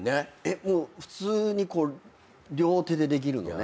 普通に両手でできるのね。